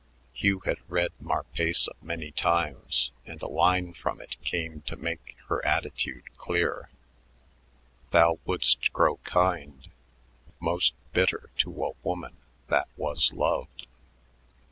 Hugh had read "Marpessa" many times, and a line from it came to make her attitude clear: "thou wouldst grow kind; Most bitter to a woman that was loved."